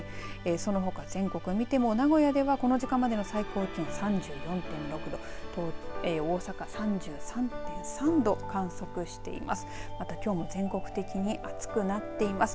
そのほか全国見ても名古屋ではこの時間までの最高気温３４．６度大阪３３．３度観測しています。